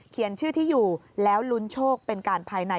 ชื่อที่อยู่แล้วลุ้นโชคเป็นการภายใน